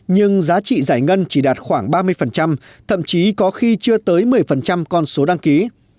nhưng giá trị giải ngân chỉ đạt khoảng ba mươi thậm chí có khi chưa tới một mươi con số đăng ký